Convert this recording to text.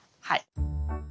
はい。